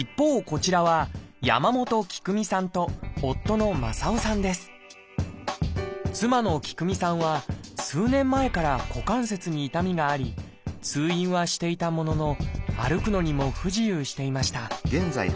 こちらは妻の喜久美さんは数年前から股関節に痛みがあり通院はしていたものの歩くのにも不自由していました